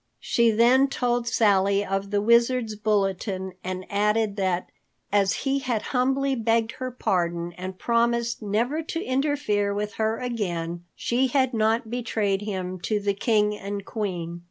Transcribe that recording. She then told Sally of the Wizard's bulletin and added that, as he had humbly begged her pardon and promised never to interfere with her again, she had not betrayed him to the King and Queen.